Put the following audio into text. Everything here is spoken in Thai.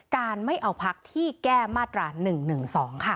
การไม่เอาพรรคที่แก้มาตรหนึ่งหนึ่งสองค่ะ